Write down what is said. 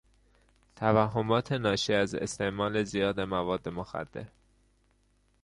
توهمات ناشی از استعمال زیاد مواد مخدر